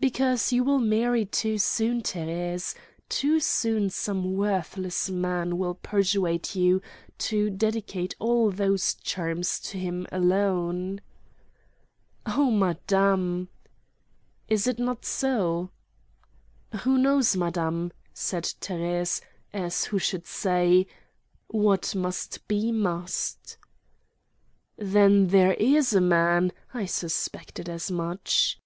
"Because you will marry too soon, Thérèse—too soon some worthless man will persuade you to dedicate all those charms to him alone." "Oh, madame!" "Is it not so?" "Who knows, madame?" said Thérèse, as who should say: "What must be, must." "Then there is a man! I suspected as much."